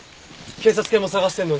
警察犬も捜してるのに。